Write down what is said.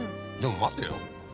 でも待てよ。